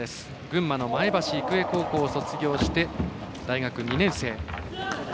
群馬の前橋育英高校を卒業して大学２年生。